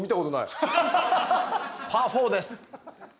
パー４です。